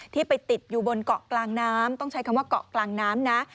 ที่ไปติดอยู่บนเกาะกลางน้ำต้องใช้คำว่าเกาะกลางน้ำนะ